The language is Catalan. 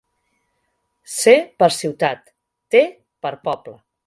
C per ciutat, T per poble.